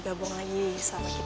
mau bikin gue senang